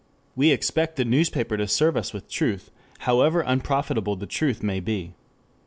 We expect the newspaper to serve us with truth however unprofitable the truth may be.